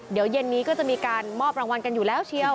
เดี๋ยวเย็นนี้ก็จะมีการมอบรางวัลกันอยู่แล้วเชียว